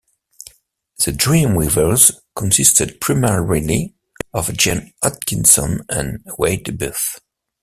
The Dream Weavers consisted primarily of Gene Adkinson and Wade Buff.